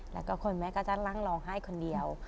แล้วก็คุณแม่ก็จะนั่งร้องไห้คนเดียว